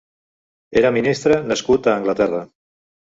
Era ministre nascut a Anglaterra.